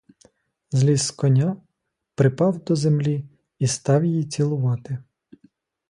Зліз з коня, припав до землі і став її цілувати.